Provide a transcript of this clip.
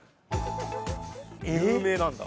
有名なんだ。